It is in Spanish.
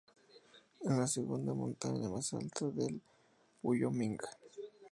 Es la segunda montaña más alta de Wyoming.